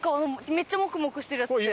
めっちゃモクモクしてるやつって。